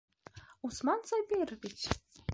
Усман Сабирович!